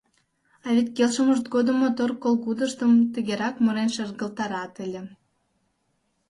А вет келшымышт годым мотор Колгудыштым тыгерак мурен шергылтарат ыле: